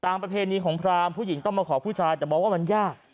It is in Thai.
ประเพณีของพรามผู้หญิงต้องมาขอผู้ชายแต่มองว่ามันยาก